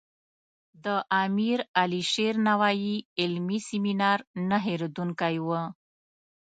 د امیر علي شیر نوایي علمي سیمینار نه هیریدونکی و.